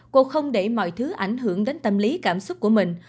cô không để mọi thứ ảnh hưởng đến tâm lý cảm xúc của mình